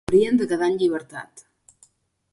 Haurien de quedar en llibertat.